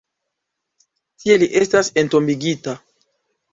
Tie li estas entombigita.